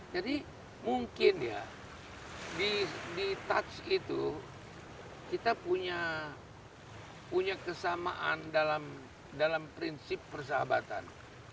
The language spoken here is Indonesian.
jadi mungkin ya di touch itu kita punya kesamaan dalam prinsip persahabatan